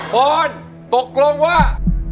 ปรณ์ตกลงว่า